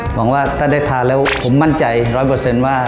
หวังว่าถ้าได้ทานแล้วผมมั่นใจ๑๐๐ว่า